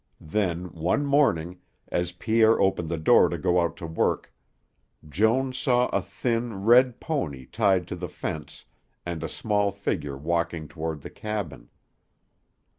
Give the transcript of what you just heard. Then, one morning, as Pierre opened the door to go out to work, Joan saw a thin, red pony tied to the fence and a small figure walking toward the cabin.